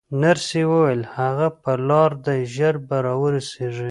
نرسې وویل: هغه پر لار دی، ژر به راورسېږي.